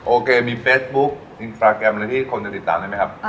โอเคมีเฟซบุ๊คอินสตราแกรมอะไรที่คนจะติดตามได้ไหมครับ